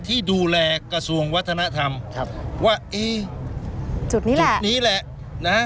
ที่ดูแลกระทรวงวัฒนธรรมครับว่าเอ๊จุดนี้แหละจุดนี้แหละนะฮะ